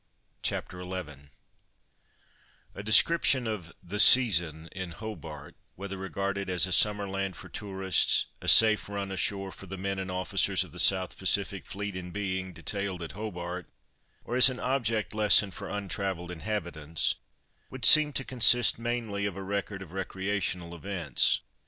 CHAPTER XI A DESCRIPTION of "the season" in Hobart, whether regarded as a summer land for tourists, a safe run ashore for the men and officers of the South Pacific "fleet in being" detailed at Hobart, or as an object lesson for untravelled inhabitants—would seem to consist mainly of a record of recreational events.